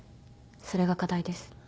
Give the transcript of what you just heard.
それが課題です。